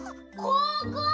ここ！